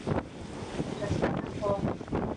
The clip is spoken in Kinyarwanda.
irasa na pome